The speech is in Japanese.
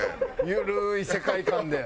緩い世界観で。